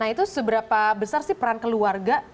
nah itu seberapa besar sih peran keluarga